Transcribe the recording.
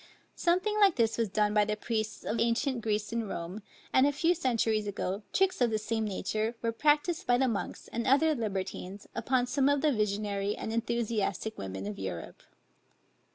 Something like this was done by the priests of ancient Greece and Rome; and a few centuries ago, tricks of the same nature were practiced by the monks, and other libertines, upon some of the visionary and enthusiastic women of Europe.